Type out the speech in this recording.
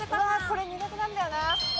これ苦手なんだよな。